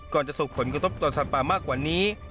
จะส่งผลกระทบต่อสัตว์ป่ามากกว่านี้